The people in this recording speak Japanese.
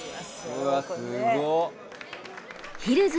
うわすごっ。